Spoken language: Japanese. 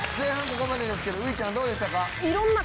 ここまでですけどウイちゃんどうでしたか？